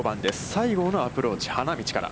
西郷のアプローチ、花道から。